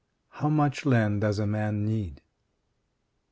HOW MUCH LAND DOES A MAN NEED?